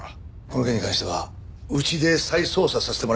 この件に関してはうちで再捜査させてもらえませんか？